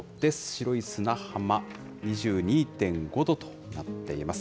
白い砂浜、２２．５度となっています。